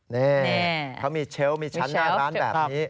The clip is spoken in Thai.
นี่เขามีเชลล์มีชั้นหน้าร้านแบบนี้